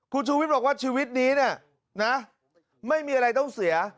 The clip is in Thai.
คุณชูวิทย์บอกว่าชีวิตนี้เนี่ยนะไม่มีอะไรต้องเสีย